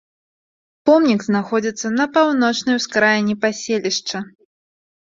Помнік знаходзіцца на паўночнай ускраіне паселішча.